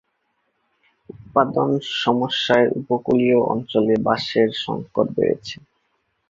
উৎপাদন সমস্যায় উপকূলীয় অঞ্চলে বাঁশের সংকট বেড়েছে।